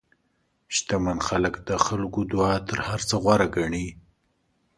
شتمن خلک د خلکو دعا تر هر څه غوره ګڼي.